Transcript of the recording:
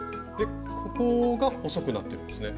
ここが細くなってるんですね。